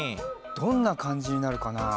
どんなかんじになるかなあ？